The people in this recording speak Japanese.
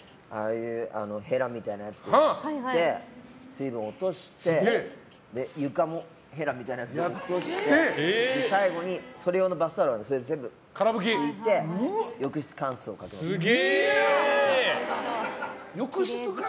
ヘラみたいなやつでやって水分を落として床もヘラみたいなやつで落として最後にそれ用のバスタオルで拭いて浴室乾燥をかける。